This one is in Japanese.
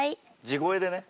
地声でね。